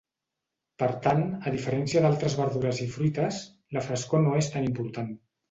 Per tant, a diferència d'altres verdures i fruites, la frescor no és tan important.